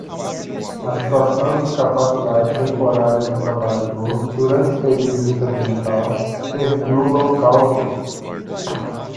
A situação de incapacidade temporária do trabalhador durante o período experimental perturba o cálculo.